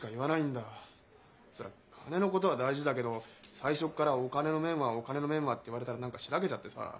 そりゃ金のことは大事だけど最初から「お金の面はお金の面は」って言われたら何かシラケちゃってさ。